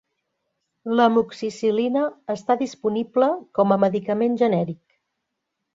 L'amoxicil·lina està disponible com a medicament genèric.